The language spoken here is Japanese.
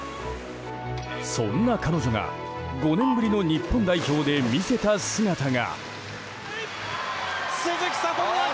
そんな彼女が５年ぶりの日本代表で見せた姿が。